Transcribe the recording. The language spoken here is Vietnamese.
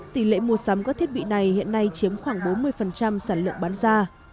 tỷ lệ mua sắm các thiết bị này hiện nay chiếm khoảng bốn mươi sản lượng bán ra